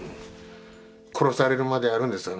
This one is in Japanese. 殺されるまでやるんですよ。